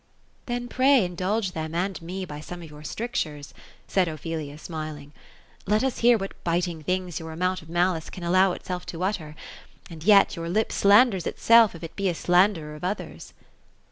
*^ Then pray indulge them and me by some of your strictures ;*' said Ophelia, smiling. ^*Let us hear what biting things your amount of malice can allow itself to utter. And yet your lip slanders itself if it be a slanderer of others."